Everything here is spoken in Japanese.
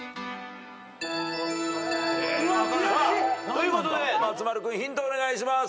ということで松丸君ヒントお願いします。